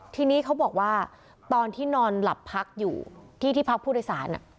ทีนี้เขาบอกว่าตอนที่นอนหลับพักอยู่ที่ที่พักผู้โดยสาร